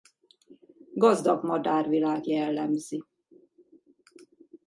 Gazdag madárvilág jellemzi.